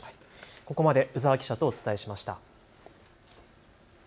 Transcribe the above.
ここまで鵜澤記者とお伝えしました。